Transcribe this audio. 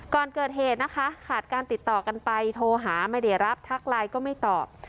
ก่อนเกิดเหตุนะคะขาดการติดต่อกันไปโทรหาไม่ได้รับทักไลน์ก็ไม่ตอบ